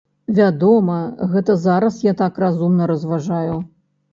Вядома, гэта зараз я так разумна разважаю.